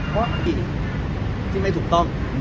การปฏิบัตินั่นที่ไม่ถูกต้อง